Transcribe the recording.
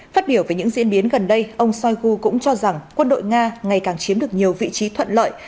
phát biểu về những diễn biến gần đây ông shoigu cũng cho rằng quân đội nga ngày càng chiếm được nhiều vị trí thuận lợi